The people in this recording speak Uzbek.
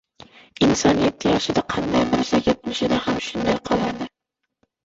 • Inson yetti yoshida qanday bo‘lsa, yetmishida ham shunday qoladi.